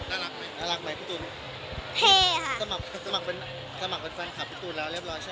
อันนั้นเขาเรียกว่าไม่ได้ซ้อมอาจารย์เขาเรียกอะไรอะ